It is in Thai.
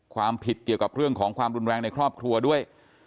ความผิดเกี่ยวกับเรื่องของความรุนแรงในครอบครัวด้วย